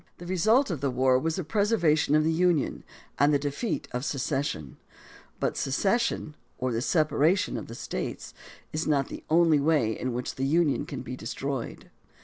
The result of the war was the preservation of the Union and the defeat of secession. But secession, or the separation of the States, is not the only way in which THE DEMOCRACY OF ABRAHAM LINCOLN 155 the Union can be destroyed.